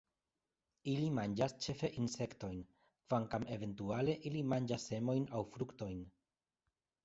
Ili manĝas ĉefe insektojn, kvankam eventuale ili manĝas semojn aŭ fruktojn.